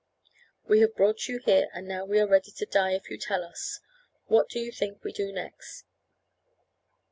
"We have brought you here, and now we are ready to die if you tell us. What you think we do next?"